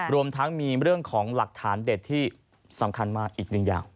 รวมทั้งมีเรื่องของหลักฐานเด็ดที่สำคัญมากอีกหนึ่งอย่าง